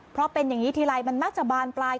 เพราะเป็นอย่างนี้ทีไรมันมักจะบานปลาย